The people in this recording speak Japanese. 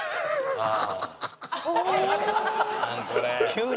ああ